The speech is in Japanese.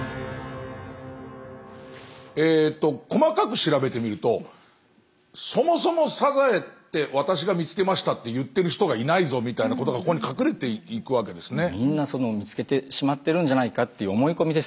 えと細かく調べてみるとそもそもサザエって私が見つけましたって言ってる人がいないぞみたいなことがここに隠れていくわけですね。